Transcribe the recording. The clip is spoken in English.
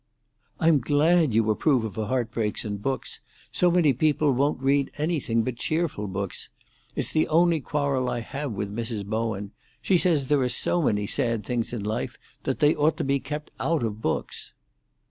"I'm glad you approve of heart breaks in books. So many people won't read anything but cheerful books. It's the only quarrel I have with Mrs. Bowen. She says there are so many sad things in life that they ought to be kept out of books."